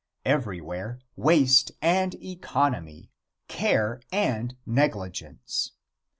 Everywhere waste and economy, care and negligence.